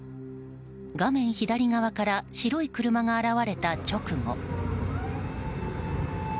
画面左側から白い車が現われた直後。